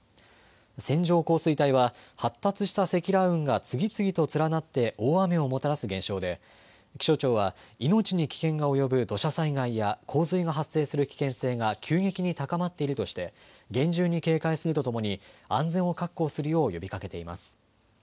線状降水帯は、発達した積乱雲が次々と連なって大雨をもたらす現象で、気象庁は、命に危険が及ぶ土砂災害や洪水が発生する危険性が急激に高まっているとして、厳重に警戒するとともに、安全を確保するよう呼びかけています。